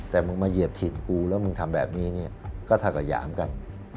แต่มึงมาเหยียบถิ่นกูแล้วมึงทำแบบนี้เนี่ยก็เท่ากับหยามกัน